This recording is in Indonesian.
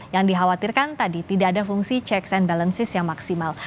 yang dikhawatirkan tadi tidak ada fungsi checks and balances yang maksimal